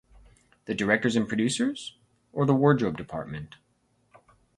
The directors and producers or the wardrobe department?